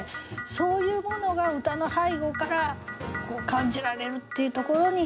そういうものが歌の背後から感じられるっていうところに。